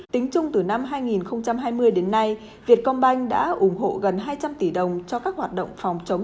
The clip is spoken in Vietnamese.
tính chung từ năm hai nghìn hai mươi đến nay việt công banh đã ủng hộ gần hai trăm linh tỷ đồng cho các hoạt động phát triển